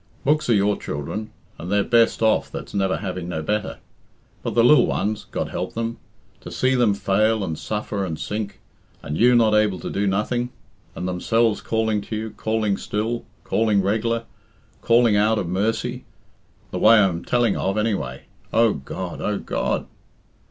Books are your children, and they're best off that's never having no better. But the lil ones God help them to see them fail, and suffer, and sink and you not able to do nothing and themselves calling to you calling still calling reg'lar calling out of mercy the way I am telling of, any way O God! O God!"